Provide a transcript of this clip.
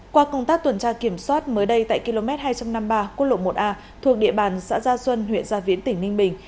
qua công tác tuần tra kiểm soát mới đây tại km hai trăm năm mươi ba quốc lộ một a thuộc địa bàn xã gia xuân huyện gia viễn tỉnh ninh bình